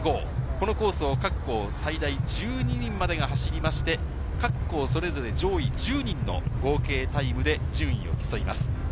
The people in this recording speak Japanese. このコースを各校最大１２人までが走りまして、各校、それぞれ上位１０人の合計タイムで順位を競います。